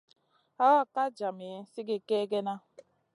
Hakak ka djami sigi kegena.